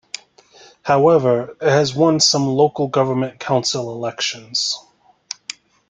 However, it has won some local government council elections.